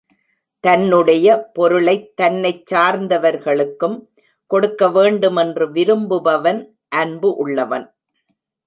தன்னுடைய பொருளைத் தன்னைச் சார்ந்தவர்களுக்கும் கொடுக்க வேண்டுமென்று விரும்புபவன் அன்பு உள்ளவன்.